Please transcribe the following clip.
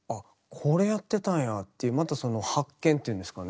これやってたんやっていうまたその発見っていうんですかね。